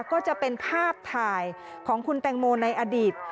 ก็จะเป็นภาพถ่ายของคุณแตงโมในอดีต